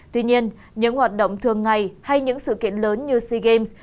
tuy nhiên những hoạt động thường ngày hay những sự kiện lớn như sea games